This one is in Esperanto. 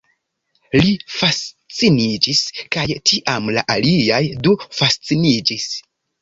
Li fasciniĝis kaj tiam la aliaj du fasciniĝis